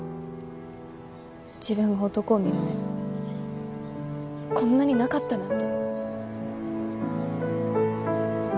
自分が男を見る目こんなになかったなんて。